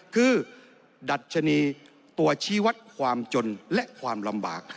คือดัชนีตัวชี้วัดความจนและความลำบาก